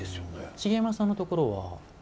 茂山さんのところは？